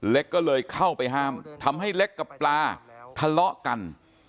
เล็กก็เลยเข้าไปห้ามทำให้เล็กกับปลาทะเลาะกัน